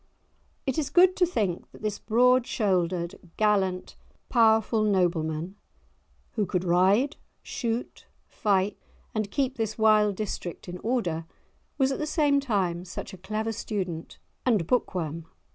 It is good to think that this broad shouldered, gallant, powerful nobleman, who could ride, shoot, fight and keep this wild district in order, was at the same time such a clever student and book worm.